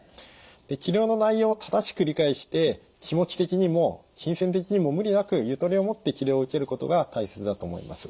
治療の内容を正しく理解して気持ち的にも金銭的にも無理なくゆとりを持って治療を受けることが大切だと思います。